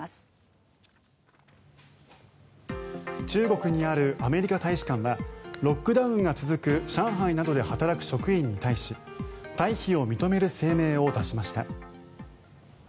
中国にあるアメリカ大使館はロックダウンが続く上海などで働く職員に対し退避を認める声明を出しました。